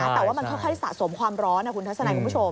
แต่ว่ามันค่อยสะสมความร้อนคุณทัศนัยคุณผู้ชม